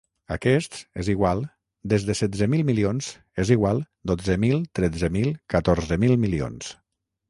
Aquests, és igual, des de setze mil milions, és igual, dotze mil, tretze mil, catorze mil milions.